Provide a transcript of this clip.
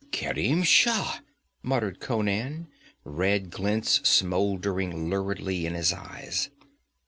'Kerim Shah!' muttered Conan, red glints smoldering luridly in his eyes.